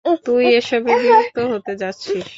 তুই এসবে বিরক্ত হতে যাচ্ছিস।